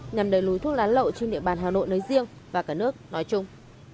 nhằm đẩy lùi thuốc lá lậu trên địa bàn hà nội nói riêng và cả nước nói chung